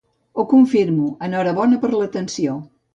Ho confirmo, enhorabona per l'atenció.